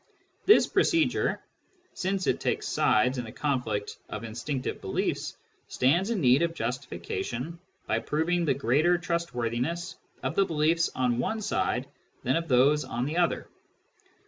This procedure, since it takes sides in a conflict of instinctive beliefs, stands in need of justification by proving the greater trustworthiness of the beliefs on one side than of those on the other.